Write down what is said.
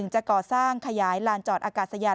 จะก่อสร้างขยายลานจอดอากาศยาน